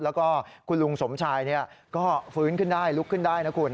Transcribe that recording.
แล้วก็คุณลุงสมชายก็ฟื้นขึ้นได้ลุกขึ้นได้นะคุณ